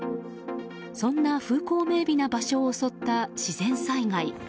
そんな風光明美な場所を襲った自然災害。